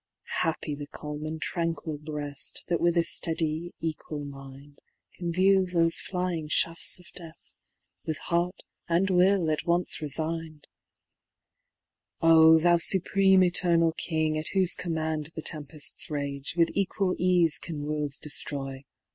Happy the calm and tranquil bread. That with a fteady equal mind. Can view thofe flying fhafts of death, With heart and will at once refign'd f‚Äî ‚Ä¢ Oh ! thou Supreme Eternal King, At whofe command tfcte tempcfts rage>. With equal eafe can worlds deftroy.